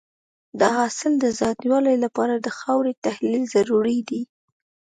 د حاصل د زیاتوالي لپاره د خاورې تحلیل ضروري دی.